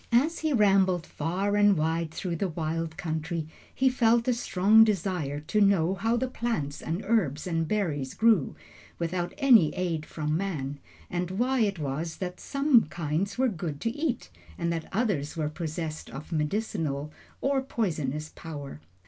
As he rambled far and wide through the wild country, he felt a strong desire to know how the plants and herbs and berries grew, without any aid from man, and why it was that some kinds were good to eat, and that others were possessed of medicinal or poisonous power.